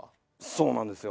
そうなんですよ。